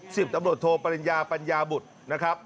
สิบตำรวจโทปริญญาปัญญาบุตรนะครับ